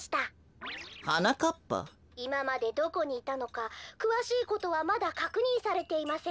「いままでどこにいたのかくわしいことはまだかくにんされていません」。